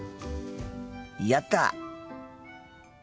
やった！